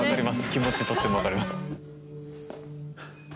気持ちとっても分かります。